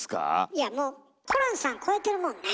いやもうホランさん超えてるもんね。